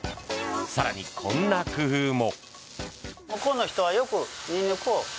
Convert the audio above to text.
更に、こんな工夫も。